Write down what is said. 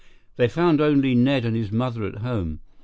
They found only Ned and his mother at home.